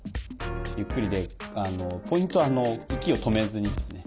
ゆっくりでポイントは息を止めずにですね